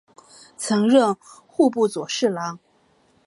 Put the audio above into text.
曾任户部左侍郎。